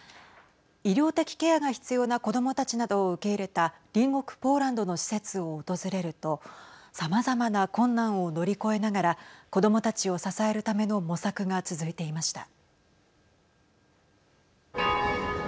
医療的ケアが必要な子どもたちなどを受け入れた隣国ポーランドの施設を訪れるとさまざまな困難を乗り越えながら子どもたちを支えるための模索が続いていました。